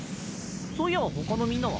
そういや他のみんなは？